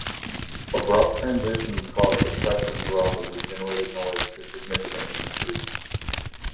Abrupt transitions cause the pressure drop and regenerated noise to significantly increase.